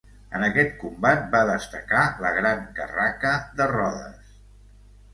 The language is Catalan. En aquest combat va destacar la gran carraca de Rodes.